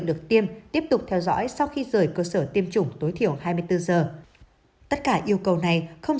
được tiêm tiếp tục theo dõi sau khi rời cơ sở tiêm chủng tối thiểu hai mươi bốn giờ tất cả yêu cầu này không